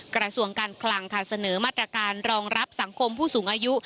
กระทรวงการคลังค่ะเสนอมาตรการรองรับสังคมผู้สูงอายุ